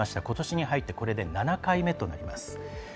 ことしに入ってこれで７回目となります。